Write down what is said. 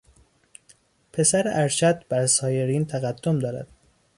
پسر ارشد بر سایرین تقدم دارد.